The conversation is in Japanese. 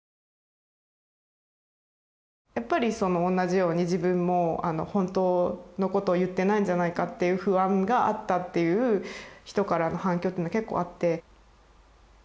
やっぱり同じように自分も本当のことを言ってないんじゃないかっていう不安があったっていう人からの反響っていうのが結構あって。